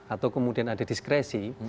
atau kemudian ada diskresi